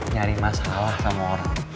nyari masalah sama orang